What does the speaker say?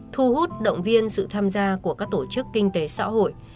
thu hút động viên sự tham gia của các tổ chức kinh tế xã hội